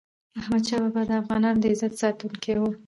احمد شاه بابا د افغانانو د عزت ساتونکی و.